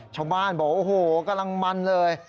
ชาวบ้านบอกโอ้โหกำลังมันเลย